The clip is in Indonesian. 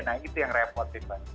nah itu yang repot tiffany